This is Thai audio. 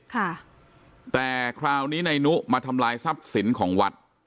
ค่ะแต่คราวนี้นายนุมาทำลายทรัพย์สินของวัด